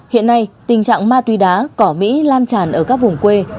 hiện nay tình trạng ma túy đá cỏ mỹ lan tràn ở các vùng quê